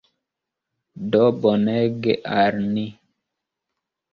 Do bonege al ni.